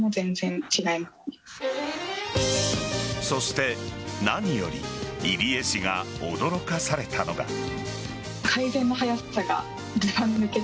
そして何より入江氏が驚かされたのが。